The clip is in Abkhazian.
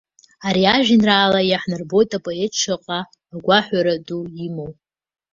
Ари ажәеинраала иаҳнарбоит апоет шаҟа агәаҳәара ду имоу.